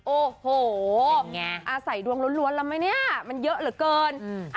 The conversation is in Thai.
โอ้โหเป็นไงอ่าใส่ดวงล้วนล้วนแล้วไหมเนี้ยมันเยอะเหลือเกินอืม